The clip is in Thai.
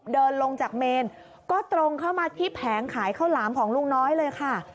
เดินลงจากเมนก็ตรงเข้ามาที่แผงขายข้าวหลามของลุงน้อยเลยค่ะ